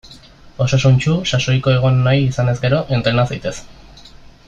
Osasuntsu, sasoiko egon nahi izanez gero; entrena zaitez!